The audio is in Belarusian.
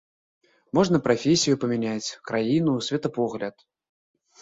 Можна прафесію памяняць, краіну, светапогляд.